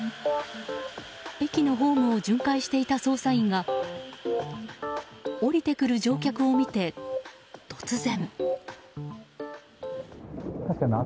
駅のホームを巡回していた捜査員が降りてくる乗客を見て、突然。